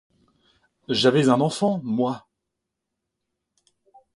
J'avais un enfant, moi!